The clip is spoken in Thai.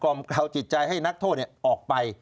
กล่าวจิตใจให้นักโทษออกไป